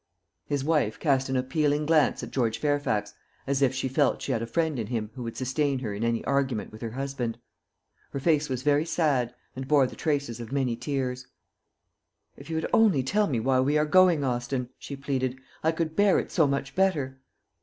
"His wife cast an appealing glance at George Fairfax, as if she felt she had a friend in him who would sustain her in any argument with her husband. Her face was very sad, and bore the traces of many tears. "If you would only tell me why we are going, Austin," she pleaded, "I could bear it so much better."